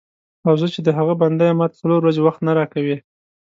او زه چې د هغه بنده یم ماته څلور ورځې وخت نه راکوې.